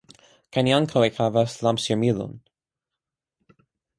Kaj ni ankaŭ ekhavis lampŝirmilon.